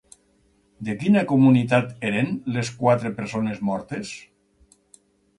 De quina comunitat eren les quatre persones mortes?